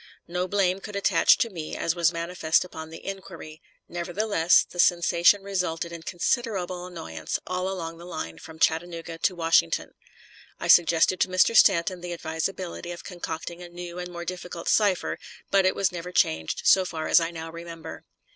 No blame could attach to me, as was manifest upon the inquiry; nevertheless, the sensation resulted in considerable annoyance all along the line from Chattanooga to Washington. I suggested to Mr. Stanton the advisability of concocting a new and more difficult cipher, but it was never changed, so far as I now remember.